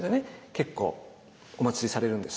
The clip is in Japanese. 結構おまつりされるんです。